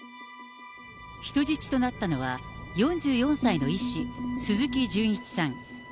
人質となったのは、４４歳の医師、鈴木純一さん。